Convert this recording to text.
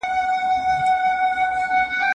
د اوبو ډېر استعمال معده تازه ساتي.